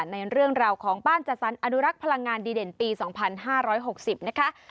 ในเรื่องราวของบ้านจัดสรรอนุรักษ์พลังงานดีเด่นปี๒๕๖๐นะคะ